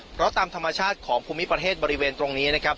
เพราะตามธรรมชาติของภูมิประเทศบริเวณตรงนี้นะครับ